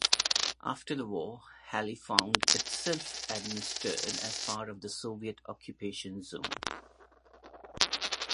After the war Halle found itself administered as part of the Soviet occupation zone.